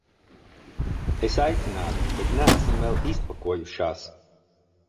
Es aicinātu, bet neesam vēl izpakojušās.